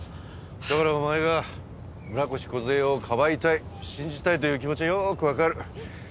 だからお前が村越梢をかばいたい信じたいという気持ちはよくわかる。